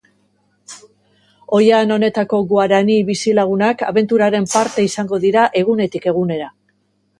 Oihan honetako guarani bizilagunak abenturaren parte izango dira egunetik egunera.